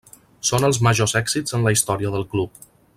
Són els majors èxits en la història del club.